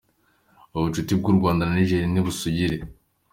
Ubucuti bw’u Rwanda na Niger nibusugire.